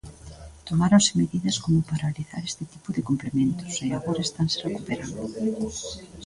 Tomáronse medidas como paralizar este tipo de complementos, e agora estanse recuperando.